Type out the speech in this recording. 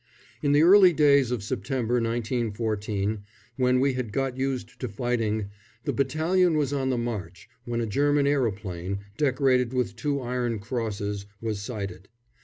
In the early days of September 1914, when we had got used to fighting, the battalion was on the march when a German aeroplane, decorated with two Iron Crosses, was sighted.